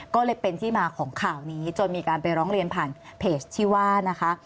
ก็เลยเป็นที่มาของข่าวนี้จนมีการไปร้องเรียนผ่านเพจที่ว่านะคะ